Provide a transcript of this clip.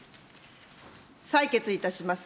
採決いたします。